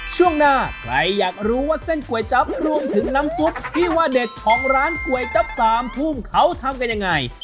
ช่วงหน้าใครอยากรู้ว่าเส้นก๋วยจั๊บรวมถึงน้ำซุปที่ว่าเด็ดของร้านก๋วยจั๊บสามทุ่มเขาทำกันยังไง